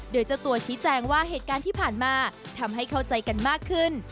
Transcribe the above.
โดยเจ้าตัวชี้แจงว่าเหตุการณ์ที่ผ่านมาทำให้เข้าใจกันมากขึ้น